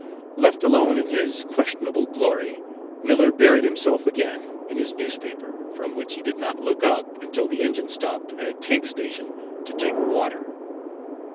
Left alone in his questionable glory, Miller buried himself again in his newspaper, from which he did not look up until the engine stopped at a tank station to take water.